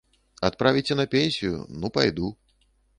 Адправіце на пенсію, ну пайду.